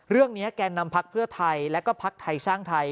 เรื่องนี้แกนำพักเพื่อไทยและก็พักไทยสร้างไทย